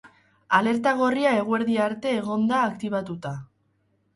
Alerta gorria eguerdia arte egon da aktibatuta.